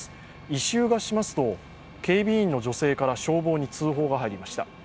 異臭がしますと警備員の女性から消防に通報がはいりました。